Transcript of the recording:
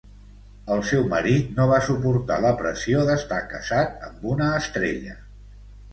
El seu marit no va suportar la pressió d'estar casat amb una estrella.